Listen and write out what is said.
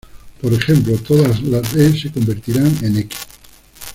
Por ejemplo, todas las "e" se convertirán en "X".